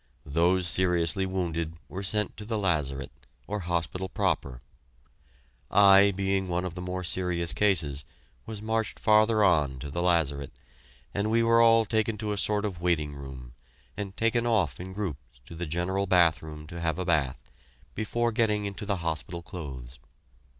Those seriously wounded were sent to the lazaret, or hospital proper. I, being one of the more serious cases, was marched farther on to the lazaret, and we were all taken to a sort of waiting room, and taken off in groups to the general bathroom to have a bath, before getting into the hospital clothes.